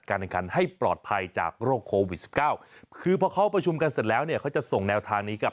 แข่งขันให้ปลอดภัยจากโรคโควิดสิบเก้าคือพอเขาประชุมกันเสร็จแล้วเนี่ยเขาจะส่งแนวทางนี้กับ